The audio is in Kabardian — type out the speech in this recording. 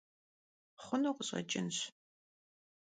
Xhunu khış'eç'ınş.